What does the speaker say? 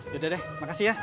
duh deh makasih ya